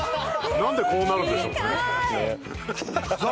何でこうなるんでしょうねえーっ高い！